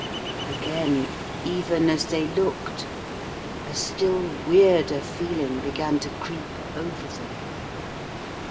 Again, even as they looked, a still weirder feeling began to creep over them.